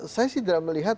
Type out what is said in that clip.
saya sih tidak melihat